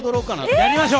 やりましょう！